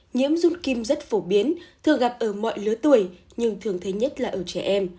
nhiễm dung kim rất phổ biến thường gặp ở mọi lứa tuổi nhưng thường thấy nhất là ở trẻ em